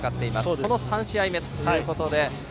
その３試合目ということで。